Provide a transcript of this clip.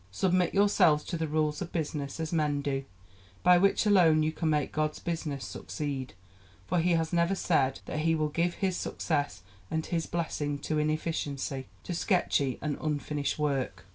Submit yourselves to the rules of business, as men do, by which alone you can make God's business succeed; for He has never said that He will give His success and His blessing to inefficiency, to sketchy and unfinished work."